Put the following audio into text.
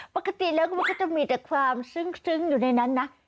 ปกติแล้วก็มันก็จะมีแต่ความซึ้งอยู่ในนั้นนะ